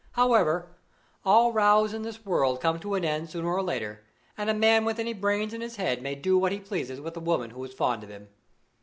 However, all rows in this world come to an end sooner or later, and a man with any brains in his head may do what he pleases with a woman who is fond of him.